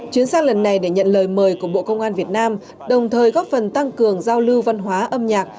chuyến xa lần này để nhận lời mời của bộ công an việt nam đồng thời góp phần tăng cường giao lưu văn hóa âm nhạc